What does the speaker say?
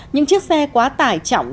những chiếc xe quá tải trọng